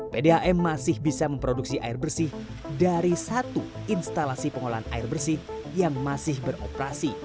pdam masih bisa memproduksi air bersih dari satu instalasi pengolahan air bersih yang masih beroperasi